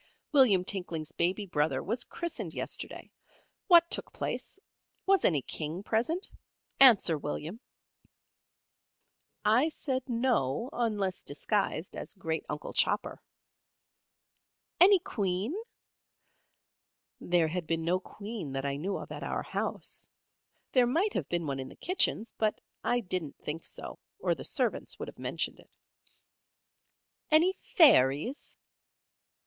William Tinkling's baby brother was christened yesterday. What took place? Was any king present? Answer, William." I said No, unless disguised as great uncle Chopper. "Any queen?" There had been no queen that I knew of at our house. There might have been one in the kitchen; but I didn't think so, or the servants would have mentioned it. "Any fairies?"